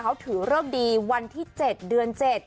แต่เขาถือเริ่มดีวันที่๗เดือน๗